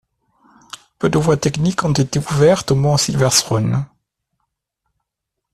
Peu de voies techniques ont été ouvertes au mont Silverthrone.